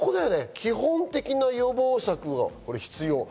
基本的な予防策が必要。